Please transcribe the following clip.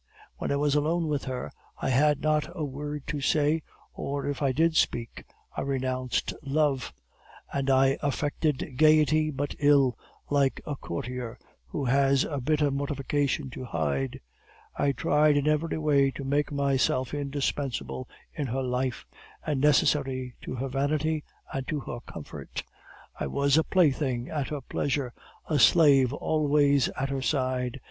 When I was alone with her, I had not a word to say, or if I did speak, I renounced love; and I affected gaiety but ill, like a courtier who has a bitter mortification to hide. I tried in every way to make myself indispensable in her life, and necessary to her vanity and to her comfort; I was a plaything at her pleasure, a slave always at her side.